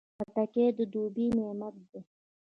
خټکی د دوبی نعمت دی.